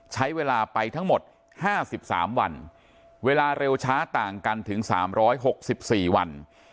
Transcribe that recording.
ใช้เวลาไปทั้งหมด๕๓วันเวลาเร็วช้าต่างกันถึง๓๖๔วัน